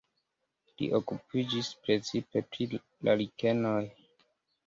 Li okupiĝis precipe pri la likenoj.